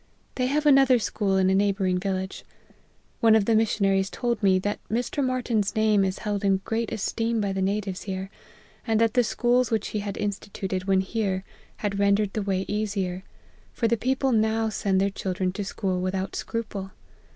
They have another school in a neighbouring village. One of the missionaries told me, that Mr. Martyn's name is held in great esteem by the natives here ; and that the schools which he had instituted \vhen here, had rendered the way easier ; for the people now send their children to school without scruple.